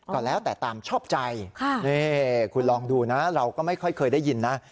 ก็แล้วแต่ตามชอบใจนี่คุณลองดูนะเราก็ไม่ค่อยเคยได้ยินนะ